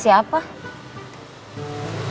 minta diantar si neng